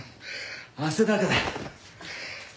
汗だくだ。